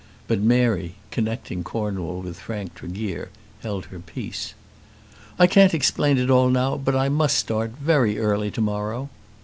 But Mary, connecting Cornwall with Frank Tregear, held her peace. "I can't explain it all now, but I must start very early to morrow."